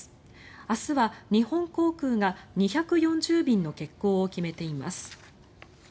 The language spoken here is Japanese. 明日は日本航空が２４０便の欠航を決めています。